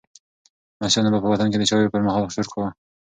لمسیانو به په وطن کې د چایو پر مهال شور کاوه.